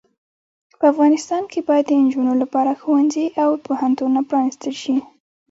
په افغانستان کې باید د انجونو لپاره ښوونځې او پوهنتونونه پرانستل شې.